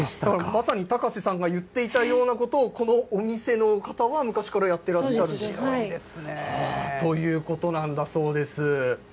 まさに高瀬さんが言っていたような、このお店の方は、昔からやってらっしゃるということなんです。